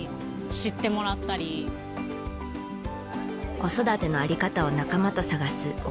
子育ての在り方を仲間と探す小笠原さん。